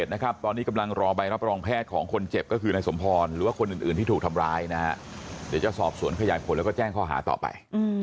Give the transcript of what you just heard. เราไม่มีข้อหาอะไรเราไม่มีข้อหาใช่ไหมผมไม่ได้เป็นคนฝ่านวัน